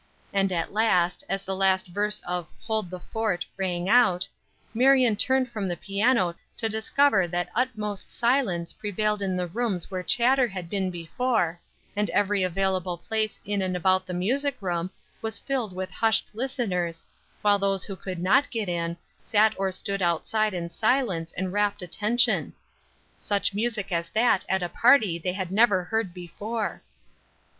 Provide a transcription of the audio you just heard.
And at last, as the last verse of "Hold the Fort" rang out, Marion turned from the piano to discover that utmost silence prevailed in the rooms where chatter had been before, and every available place in and about the music room was filled with hushed listeners, while those who could not get in, sat or stood outside in silence and wrapt attention. Such music as that at a party they had never heard before.